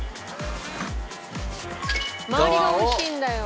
周りが美味しいんだよ。